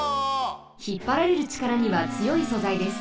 ひっぱられるちからにはつよい素材です。